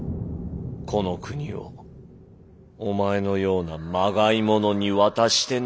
この国をお前のようなまがいものに渡してなるものか。